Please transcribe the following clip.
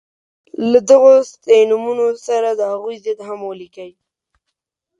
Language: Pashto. له دغو ستاینومونو سره د هغوی ضد هم ولیکئ.